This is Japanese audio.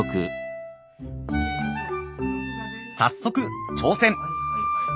早速挑戦！